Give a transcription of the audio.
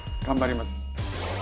頑張ります。